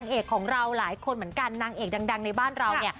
เอกของเราหลายคนเหมือนกันนางเอกดังในบ้านเราเนี่ย